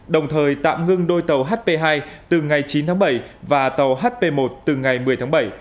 đồng thời tạm ngưng đôi tàu hp hai từ ngày chín tháng bảy và tàu hp một từ ngày một mươi tháng bảy